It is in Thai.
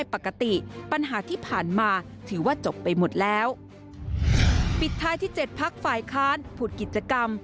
ปิดท้ายที่๗พักฝ่ายค้านพูดกิจกรรม